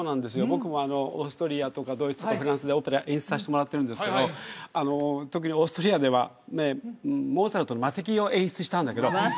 僕もオーストリアとかドイツとかフランスでオペラ演出させてもらってるんですけど特にオーストリアではを演出したんだけどわあ